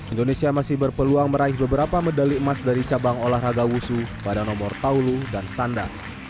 indonesia masih berpeluang meraih beberapa medali emas dari cabang olahraga wusu pada nomor taulu dan sanda